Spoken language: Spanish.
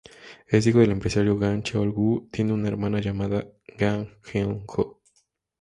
Es hijo del empresario Gang Cheol-woo, tiene una hermana llamada Gang Hyeon-joo.